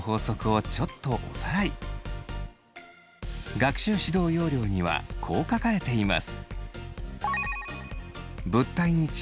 学習指導要領にはこう書かれています。